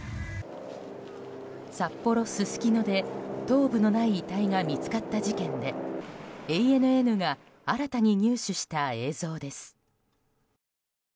札幌・すすきので頭部のない遺体が見つかった事件でＡＮＮが新たに入手した映像です。